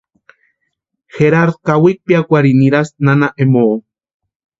Garardu kawikwa piakwarhini nirasti nana Emoo.